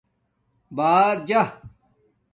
بݳر جݳ